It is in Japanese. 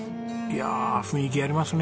いやあ雰囲気ありますね